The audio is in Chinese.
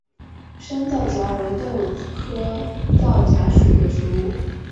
山皂荚为豆科皂荚属的植物。